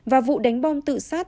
và vụ đánh bom tự sát